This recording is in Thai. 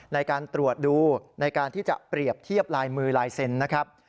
ในการตรวจดูในการที่จะเปรียบเทียบลายมือลายเซ็นต์นะครับ